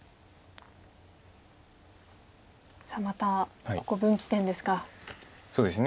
さあまたここ分岐点ですか。